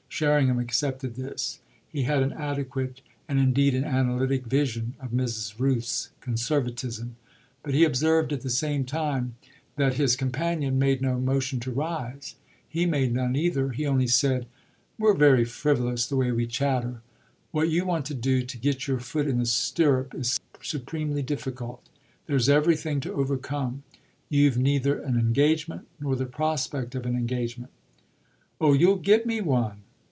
Sherringham accepted this he had an adequate and indeed an analytic vision of Mrs. Rooth's conservatism; but he observed at the same time that his companion made no motion to rise. He made none either; he only said: "We're very frivolous, the way we chatter. What you want to do to get your foot in the stirrup is supremely difficult. There's everything to overcome. You've neither an engagement nor the prospect of an engagement." "Oh you'll get me one!"